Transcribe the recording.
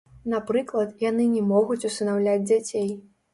Напрыклад, яны не могуць усынаўляць дзяцей.